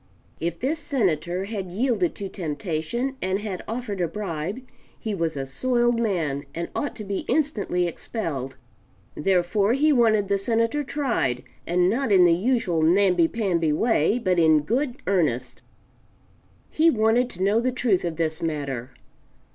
If this Senator had yielded to temptation and had offered a bribe, he was a soiled man and ought to be instantly expelled; therefore he wanted the Senator tried, and not in the usual namby pamby way, but in good earnest. He wanted to know the truth of this matter.